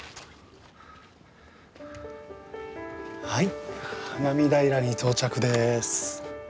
はい花見平に到着です。